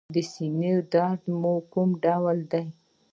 د سینې درد مو کوم ډول دی؟